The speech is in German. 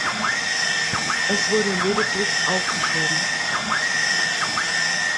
Es wurde lediglich aufgeschoben.